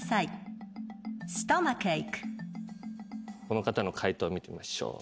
この方の解答見てみましょう。